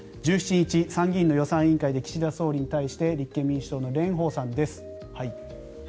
１７日、参議院の予算委員会で岸田総理に対して立憲民主党の蓮舫さんです。